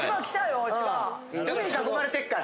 海に囲まれてっから。